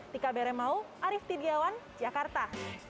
dika beremao arief tidjawan jakarta